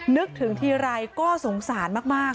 นึกถึงทีไรก็สงสารมาก